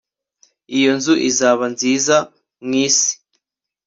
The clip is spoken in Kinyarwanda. iyo nzu izaba nziza mu isi